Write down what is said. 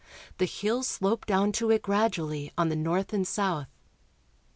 The hills slope down to it gradually on the north and south.